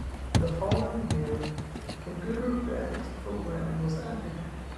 The following year, a Computer Graphics program was added.